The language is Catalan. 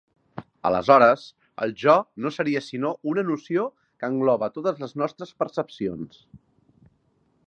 Aleshores, el jo no seria sinó una noció que engloba totes les nostres percepcions.